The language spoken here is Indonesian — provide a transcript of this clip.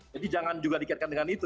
jadi jangan juga dikaitkan dengan itu